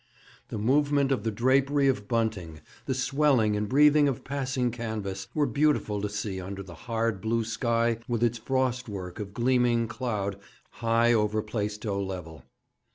The movements of the drapery of bunting, the swelling and breathing of passing canvas, were beautiful to see under the hard, blue sky, with its frost work of gleaming cloud high over Plaistow Level.